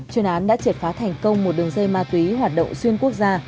chuyên án đã triệt phá thành công một đường dây ma túy hoạt động xuyên quốc gia